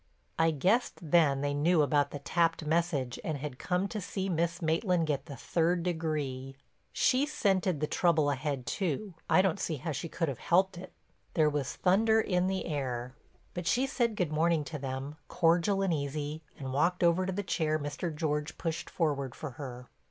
I guessed then they knew about the tapped message and had come to see Miss Maitland get the third degree. She scented the trouble ahead too—I don't see how she could have helped it; there was thunder in the air. But she said good morning to them, cordial and easy, and walked over to the chair Mr. George pushed forward for her.